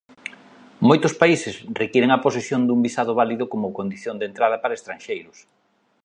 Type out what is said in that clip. Moitos países requiren a posesión dun visado válido como condición de entrada para estranxeiros.